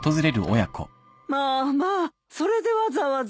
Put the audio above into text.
まあまあそれでわざわざ。